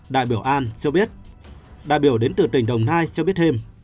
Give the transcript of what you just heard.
đại biểu an cho biết đại biểu đến từ tỉnh đồng nai cho biết thêm